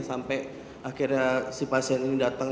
sampai akhirnya si pasien ini datang